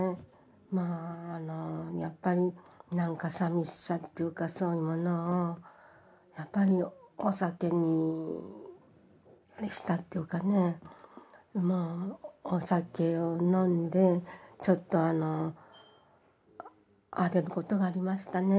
まあやっぱりなんかさみしさっていうかそういうものをやっぱりお酒にあれしたっていうかねお酒を飲んでちょっとあの荒れることがありましたね。